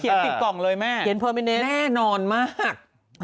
เขียนติดปล่องเลยแม่แน่นอนมาก